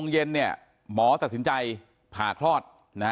เย็นหมอตัดสินใจผ่าคลอด